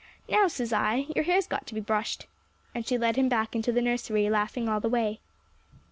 Now, says I, your hair's got to be brushed." And she led him back into the nursery, laughing all the way.